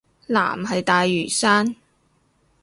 藍係大嶼山